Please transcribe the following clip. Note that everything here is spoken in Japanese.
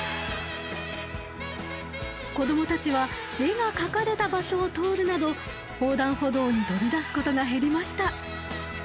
子供たちは絵が描かれた場所を通るなど横断歩道に飛び出すことが減りました。